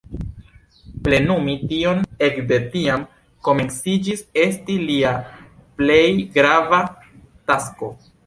Plenumi tion ekde tiam komenciĝis esti lia plej grava tasko.